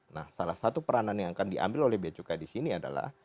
nah salah satu peranan yang akan diambil oleh bea cukai disini adalah